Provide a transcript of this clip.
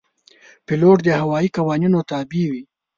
پیلوټ د هوايي قوانینو تابع وي.